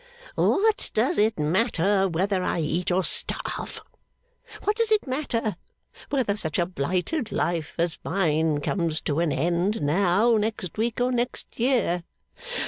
'What does it matter whether I eat or starve? What does it matter whether such a blighted life as mine comes to an end, now, next week, or next year?